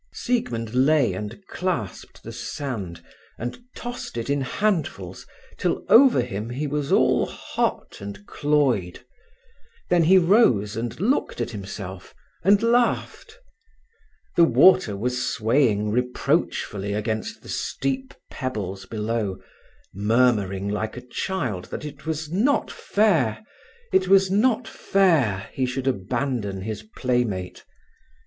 Siegmund lay and clasped the sand, and tossed it in handfuls till over him he was all hot and cloyed. Then he rose and looked at himself and laughed. The water was swaying reproachfully against the steep pebbles below, murmuring like a child that it was not fair—it was not fair he should abandon his playmate.